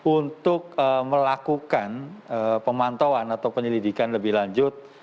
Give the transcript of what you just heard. untuk melakukan pemantauan atau penyelidikan lebih lanjut